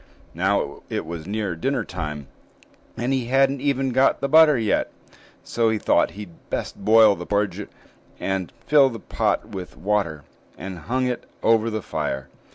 Now it was near dinner time, and he hadn't even got the butter yet; so he thought he'd best boil the porridge, and filled the pot with water, and hung it over the fire.